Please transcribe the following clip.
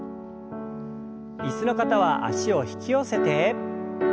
椅子の方は脚を引き寄せて。